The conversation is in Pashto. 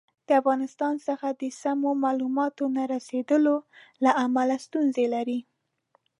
د افغانستان څخه د سمو معلوماتو نه رسېدلو له امله ستونزې لري.